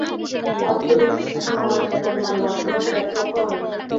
বাস্তবিক এখন আমার চেতন-মনে মাতৃভাষার একটি অক্ষরও নাই।